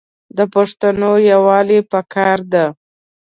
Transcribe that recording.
د پښتانو یوالي پکار دی.